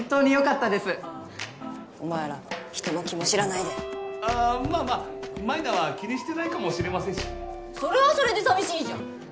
お前ら人の気も知らないであぁまぁまぁ舞菜は気にしてないかもしれませんしそれはそれで寂しいじゃん！